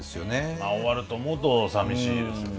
まあ終わると思うとさみしいですよね。